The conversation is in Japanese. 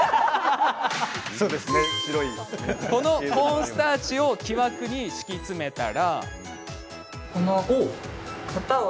このコーンスターチを木枠に敷き詰めたら。